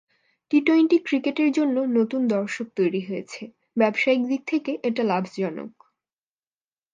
T twenty ক্রিকেটের জন্য নতুন দর্শক তৈরি হয়েছে, ব্যবসায়িক দিক থেকে এটা লাভজনক।